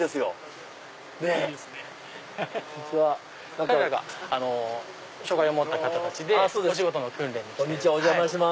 彼らが障がいを持った方たちでお仕事の訓練に来てる。